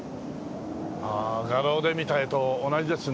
ああ画廊で見た絵と同じですね